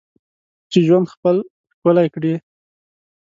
چې ژوند خپل ښکلی کړې.